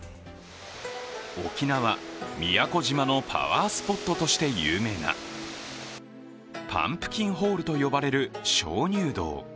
沖縄・宮古島のパワースポットとして有名なパンプキンホールと呼ばれる鍾乳洞。